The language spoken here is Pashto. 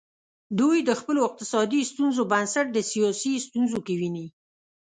دوی د خپلو اقتصادي ستونزو بنسټ د سیاسي ستونزو کې ویني.